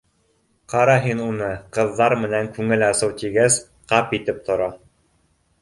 Ҡара һин уны, ҡыҙҙар менән күңел асыу тигәс, ҡап итеп тора